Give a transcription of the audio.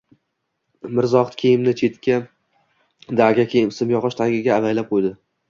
Mirzohid kiyimni chetdagi simyog‘och tagiga avaylab qo‘ydi